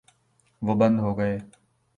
وہ بند ہو گئے۔